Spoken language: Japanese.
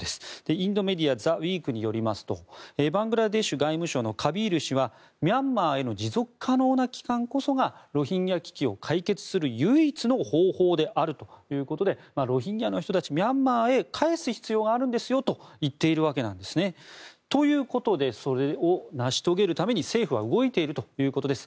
インドメディア「ザ・ウィーク」によりますとバングラデシュ外務省のカビール氏はミャンマーへの持続可能な帰還こそがロヒンギャ危機を解決する唯一の方法であるということでロヒンギャの人たちミャンマーへ帰す必要はあるんですと言っているわけなんですね。ということでそれを成し遂げるために政府は動いているということです。